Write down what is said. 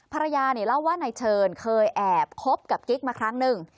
ภรรยาเนี่ยเล่าว่านายเชิญเคยแอบคบกับกิ๊กมาครั้งหนึ่ง